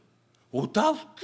「おたふく？